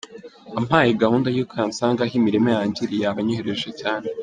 Ampaye gahunda y’uko yansanga aho imirima yanjye iri yaba anyorohereje cyane.